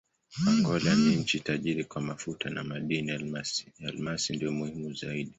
Angola ni nchi tajiri kwa mafuta na madini: almasi ndiyo muhimu zaidi.